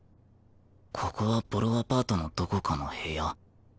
ここはボロアパートのどこかの部屋？